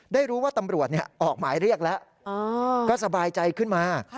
ได้รู้ว่าตำรวจออกหมายเรียกแล้วก็สบายใจขึ้นมา